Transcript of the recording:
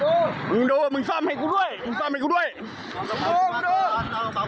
โอ้ยทอมตายแล้วจะตายแล้ว